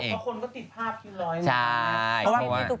เพราะคนก็ติดภาพพินร้อยมาก